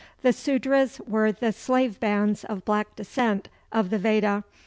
The Sudras were "the slave bands of black descent" of the Veda.